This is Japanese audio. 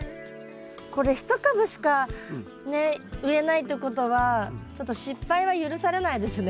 これ１株しかねっ植えないってことはちょっと失敗は許されないですね。